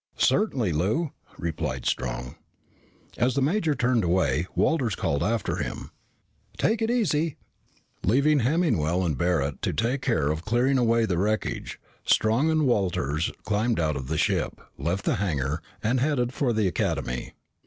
"Certainly, Lou," replied Strong. As the major turned away, Walters called after him, "Take it easy." Leaving Hemmingwell and Barret to take care of clearing away the wreckage, Strong and Walters climbed out of the ship, left the hangar, and headed for the Academy.